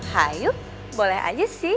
hai yuk boleh aja sih